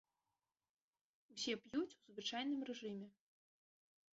Усе п'юць у звычайным рэжыме.